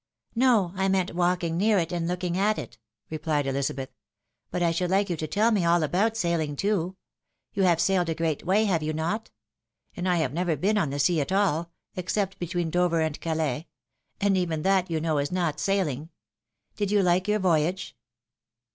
" No, I meant walking near it, and looking at it," replied Ehzabeth. " But I should hke you to tell me all about sailing too. You have sailed a great way, have you not ? And I have never been on the sea at all, except between Dover and Calais ; and even that, you know, is not sailing. Did you like your voyage